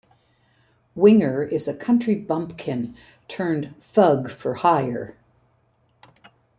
Winger is a country bumpkin turned thug-for-hire.